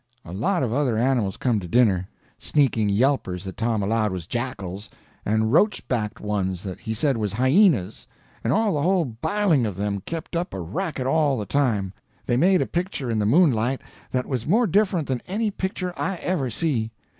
A lot of other animals come to dinner; sneaking yelpers that Tom allowed was jackals, and roached backed ones that he said was hyenas; and all the whole biling of them kept up a racket all the time. They made a picture in the moonlight that was more different than any picture I ever see.